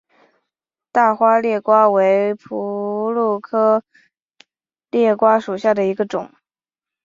大花裂瓜为葫芦科裂瓜属下的一个种。